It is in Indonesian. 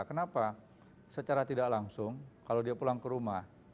kenapa secara tidak langsung kalau dia pulang ke rumah